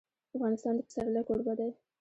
افغانستان د پسرلی کوربه دی.